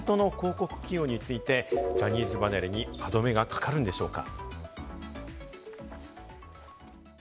今後のタレントの広告起用について、ジャニーズ離れに歯止めがかかるんでしょうか？